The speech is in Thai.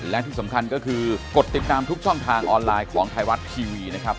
และที่สำคัญก็คือกดติดตามทุกช่องทางออนไลน์ของไทยรัฐทีวีนะครับ